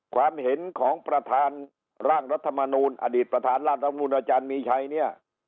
ความเห็นของประธานร่างรัฐมนูลอดีตประธานรัฐมนูลอาจารย์มีชัยเนี่ย